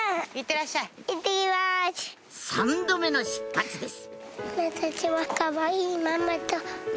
３度目の出発です